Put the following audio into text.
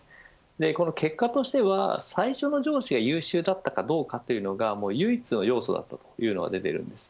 その結果としては最初の上司が優秀だったかどうかというのが唯一の要素だったというのが出ているんです。